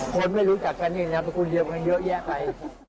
คนไม่รู้จักกันเนี่ยนำคุณเรียนมาเยอะแยะไป